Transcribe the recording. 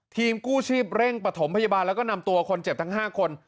กู้ชีพเร่งปฐมพยาบาลแล้วก็นำตัวคนเจ็บทั้ง๕คน